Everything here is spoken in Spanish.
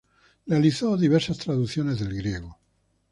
Realizó diversas traducciones del griego.